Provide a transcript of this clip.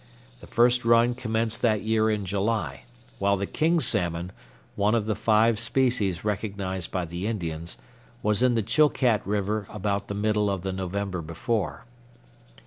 The first run commenced that year in July, while the king salmon, one of the five species recognized by the Indians, was in the Chilcat River about the middle of the November before.